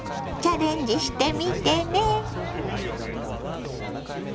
チャレンジしてみてね。